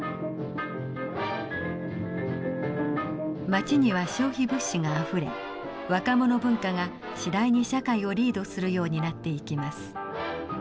街には消費物資があふれ若者文化が次第に社会をリードするようになっていきます。